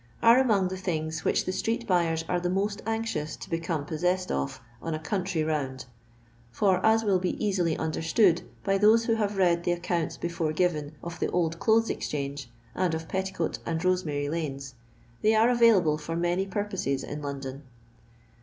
are among the things which the street buyers are the most anxious to become possessed of on a country round ; for, as will be easily understood by those who have road the accounts before given of the Old Clothes Exchange, and of Petticoat and Rosemary lanes, they are avaiUble for many purposes in London.